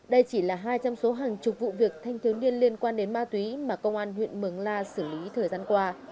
đây chỉ là hai trong số hàng chục vụ việc thanh thiếu niên liên quan đến ma túy mà công an huyện mường la xử lý thời gian qua